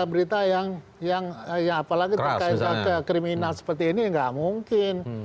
untuk menutupi berita berita yang apalagi terkait kriminal seperti ini nggak mungkin